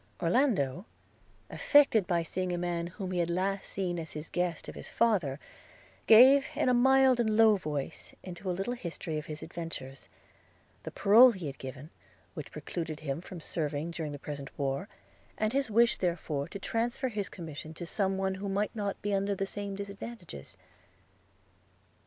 Orlando, affected by seeing a man whom he had last seen as a guest of his father, gave, in a mild and low voice, into a little history of his adventures; the parole he had given, which precluded him from serving during the present war; and his wish therefore to transfer his commission to some one who might not be under the same disadvantages.